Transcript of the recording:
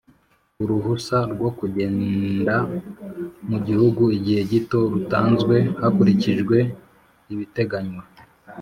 Uruhusa rwo kugenda mu gihugu igihe gito rutanzwe hakurikijwe ibiteganywa